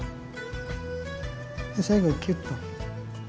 最後にキュッと。